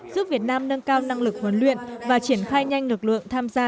giúp việt nam nâng cao năng lực huấn luyện và triển khai nhanh lực lượng tham gia